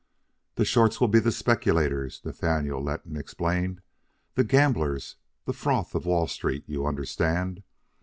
"The shorts will be the speculators," Nathaniel Letton explained, "the gamblers, the froth of Wall Street you understand.